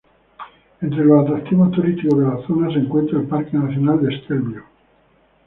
Entre los atractivos turísticos de la zona, se encuentra el Parque Nacional de Stelvio.